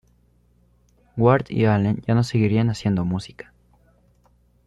Ward y Allen ya no seguirían haciendo música.